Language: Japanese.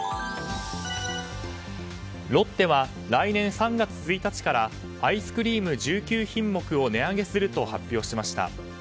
ロッテは、来年３月１日からアイスクリーム１９品目を値上げすると発表しました。